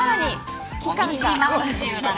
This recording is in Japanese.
もみじまんじゅうだね